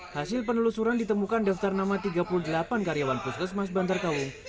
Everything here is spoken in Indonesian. hasil penelusuran ditemukan daftar nama tiga puluh delapan karyawan puskesmas bantar kaung